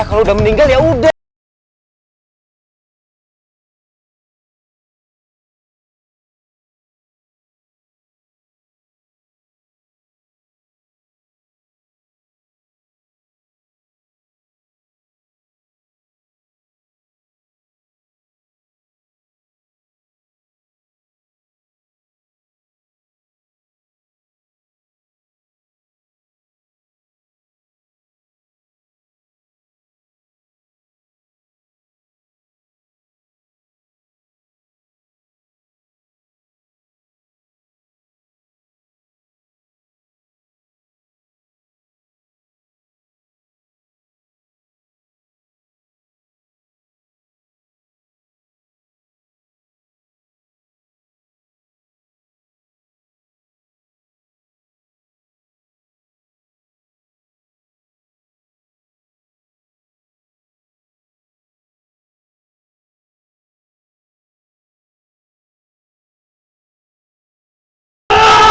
kalau udah meninggal yaudah